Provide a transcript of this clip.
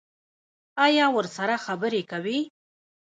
ایا ورسره خبرې کوئ؟